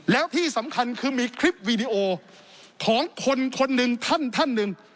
แล้วที่สำคัญคือมีคลิปวีดีโอของคนคนหนึ่งท่านท่านหนึ่ง